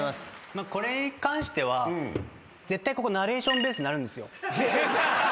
これに関しては絶対ここナレーションベースなるんですよ。